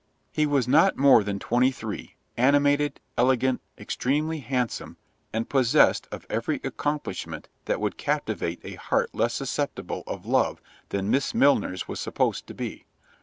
He was not more than twenty three; animated, elegant, extremely handsome, and possessed of every accomplishment that would captivate a heart less susceptible of love than Miss Milner's was supposed to be.